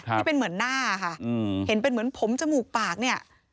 ที่เป็นเหมือนหน้าค่ะเห็นเป็นเหมือนผมจมูกปากเนี่ย